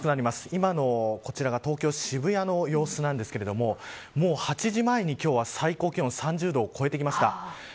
今の東京、渋谷の様子ですがもう８時前に今日は最高気温３０度を超えてきました。